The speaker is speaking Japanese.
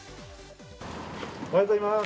おはようございます。